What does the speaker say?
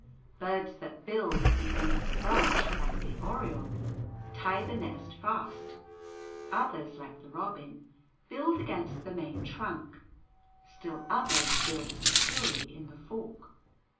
Birds that build at the end of the branch, like the oriole, tie the nest fast; others, like the robin, build against the main trunk; still others build securely in the fork.